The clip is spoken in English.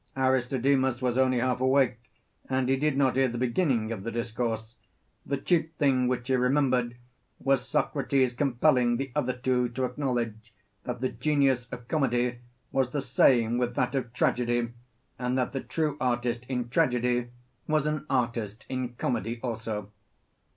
Aristodemus was only half awake, and he did not hear the beginning of the discourse; the chief thing which he remembered was Socrates compelling the other two to acknowledge that the genius of comedy was the same with that of tragedy, and that the true artist in tragedy was an artist in comedy also.